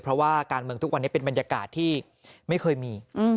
เพราะว่าการเมืองทุกวันนี้เป็นบรรยากาศที่ไม่เคยมี